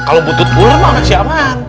kalau buntut ular makasih aman